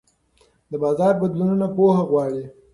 د بازار بدلونونه پوهه غواړي.